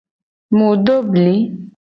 Mu do bli.